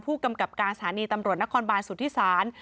ผู้กำกับการสถานีตำรวจนครบานสุธิศาล